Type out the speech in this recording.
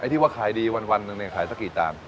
ไอ้ที่ว่าขายดีวันหนึ่งเนี่ยขายสักกี่ตาม